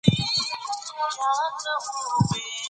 ازادي راډیو د بانکي نظام اړوند شکایتونه راپور کړي.